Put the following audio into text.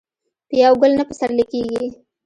په یو ګل نه پسرلی کېږي